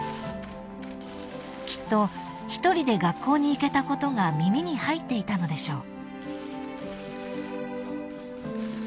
［きっと一人で学校に行けたことが耳に入っていたのでしょう］